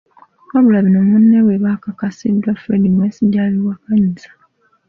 Wabula bino munne bwe bakakasiddwa Fred Mwesigye, abiwakanyizza